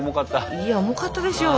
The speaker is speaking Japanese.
いや重かったでしょう。